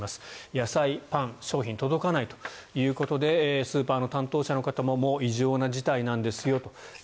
野菜、パン、商品届けないということでスーパーの担当者の方も異常な事態なんですよと。